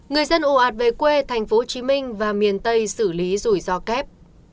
người dân ổ ạt về quê thành phố hồ chí minh và miền tây xử lý rủi ro kép